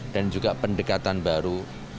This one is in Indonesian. dan juga pendekatan baru